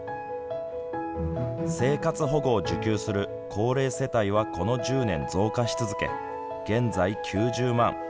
生活保護を受給する高齢世帯はこの１０年増加し続け現在９０万。